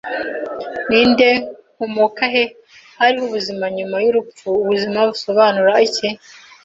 Ndi nde? Nkomoka he? Hariho ubuzima nyuma y'urupfu? Ubuzima busobanura iki?